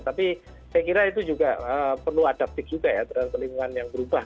tapi saya kira itu juga perlu adaptif juga ya terhadap perlindungan yang berubah